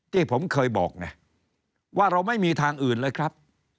ที่ผมเคยบอกไงว่าเราไม่มีทางอื่นเลยครับ